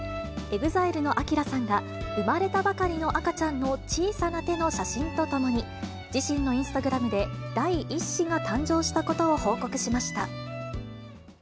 ＥＸＩＬＥのＡＫＩＲＡさんが生まれたばかりの赤ちゃんの小さな手の写真とともに、自身のインスタグラムで、第１子が誕生したことを報告しました。